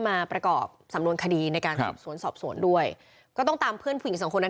ไม่รู้เค้ายังไม่ได้มาบอกไงแหละ